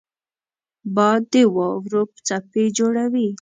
باد د واورو څپې جوړوي